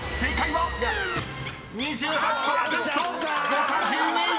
［誤差１２！